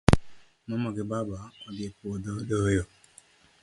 Mama gi baba odhii e puodho doyo